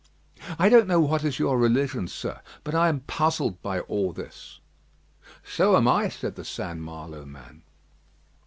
I don't know what is your religion, sir, but I am puzzled by all this." "So am I," said the St. Malo man.